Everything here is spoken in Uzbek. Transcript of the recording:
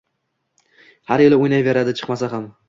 Har yili o‘ynayveradi chiqmasa ham.